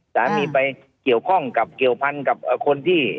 สามีไปเกี่ยวข้องกับเกี่ยวพันกับคนที่